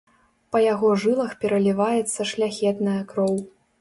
Па яго жылах пераліваецца шляхетная кроў.